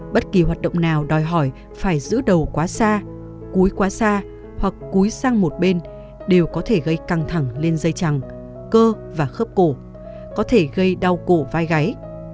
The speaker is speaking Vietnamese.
bất kỳ hoạt động nào đòi hỏi phải giữ đầu quá xa cúi quá xa hoặc cúi sang một bên đều có thể gây căng thẳng lên dây chẳng cơ và khớp cổ có thể gây đau cổ vai gáy